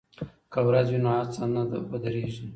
که ورځ وي نو هڅه نه ودریږي.